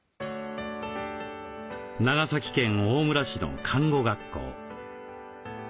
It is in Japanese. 長崎県大村市の看護学校。